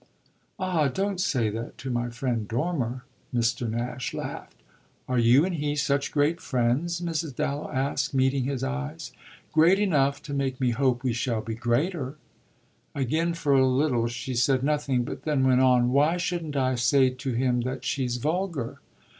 "Ah don't say that to my friend Dormer!" Mr. Nash laughed. "Are you and he such great friends?" Mrs. Dallow asked, meeting his eyes. "Great enough to make me hope we shall be greater." Again for a little she said nothing, but then went on: "Why shouldn't I say to him that she's vulgar?"